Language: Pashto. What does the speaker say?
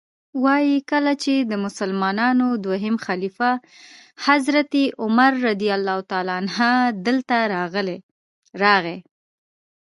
وایي کله چې د مسلمانانو دویم خلیفه حضرت عمر رضی الله عنه دلته راغی.